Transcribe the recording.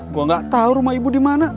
gue gak tau rumah ibu dimana